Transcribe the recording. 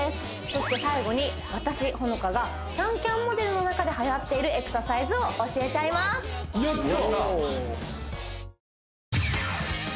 そして最後に私ほのかがＣａｎＣａｍモデルの中ではやっているエクササイズを教えちゃいますやった！